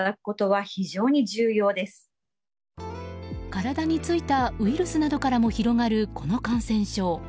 体についたウイルスなどからも広がる、この感染症。